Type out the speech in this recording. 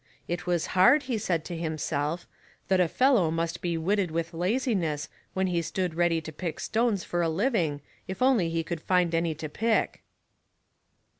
It was hard, he said to himself, " That a fellow must be witted with laziness, when he stood ready to pick stones for a living, if only he could find any to pick."